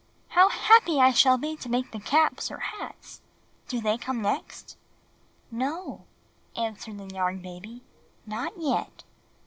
"How happy I shall be to make the caps or hats. Do they come next?" "No," answered the Yarn Baby, "not yet."